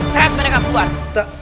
saya akan menekanku